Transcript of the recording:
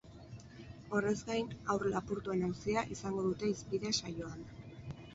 Horrez gain, haur lapurtuen auzia izango dute hizpide saioan.